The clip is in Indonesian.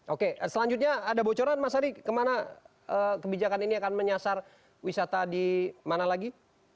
oke selanjutnya ada bocoran mas ari kemana kebijakan ini akan menyasar wisata di mana lagi